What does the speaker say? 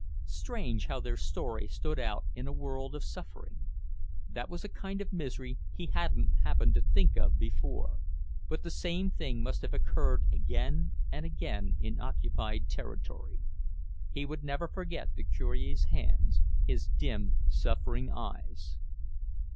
Strange, how their story stood out in a world of suffering. That was a kind of misery he hadn't happened to think of before; but the same thing must have occurred again and again in the occupied territory. He would never forget the Cure's hands, his dim, suffering eyes.